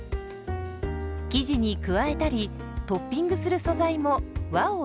生地に加えたりトッピングする素材も和を意識。